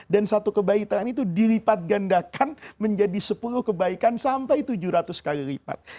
dan satu kebaikan itu dilipat gandakan menjadi sepuluh kebaikan sampai tujuh ratus kali lipat